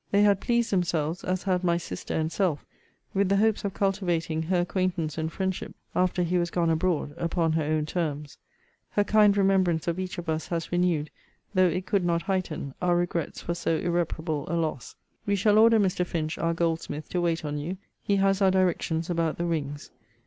They had pleased themselves, as had my sister and self, with the hopes of cultivating her acquaintance and friendship after he was gone abroad, upon her own terms. Her kind remembrance of each of us has renewed, though it could not heighten, our regrets for so irreparable a loss. We shall order Mr. Finch, our goldsmith, to wait on you. He has our directions about the rings.